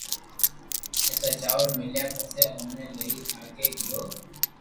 ايتا چاور ميليا پسو اوني لئين آگي گيو